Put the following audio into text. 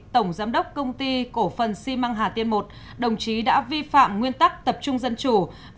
tổng giám đốc công ty cổ phần xi măng hà tiên i đồng chí đã vi phạm nguyên tắc tập trung dân chủ